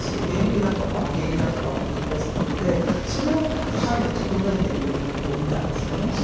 便秘だとか下痢だとかを繰り返すっていうんでそれを鍼で整えてみようってことをみたんですよね。